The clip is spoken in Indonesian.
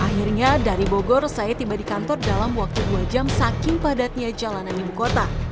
akhirnya dari bogor saya tiba di kantor dalam waktu dua jam saking padatnya jalanan ibu kota